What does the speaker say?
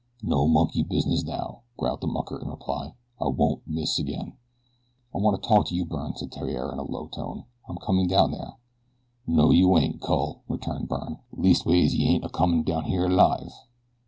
"No monkey business now," growled the mucker in reply. "I won't miss again." "I want to talk with you, Byrne," said Theriere in a low tone. "I'm coming down there." "No you ain't, cul," returned Byrne; "leastways yeh ain't a comin' down here alive."